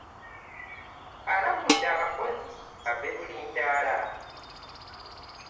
Alabudde abakozi babe bulindaala.